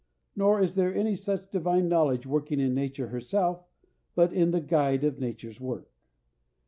Nor is there any such divine knowledge working in nature herself, but in the guide of nature's work.